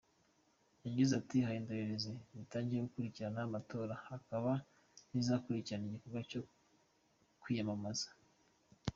Yagize ati “Hari indorerezi zatangiye gukurikirana amatora, hakaba n’izizakurikirana igikorwa cyo kwiyamamaza.